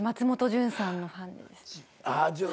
潤さんの。